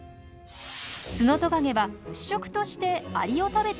ツノトカゲは主食としてアリを食べていましたよね？